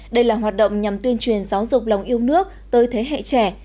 đây là hoạt động nhằm tuyên truyền giáo dục lòng yêu nước tới thế hệ trẻ